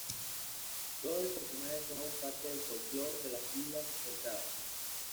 Todos estos personajes son aún parte del folclore de las islas Orcadas.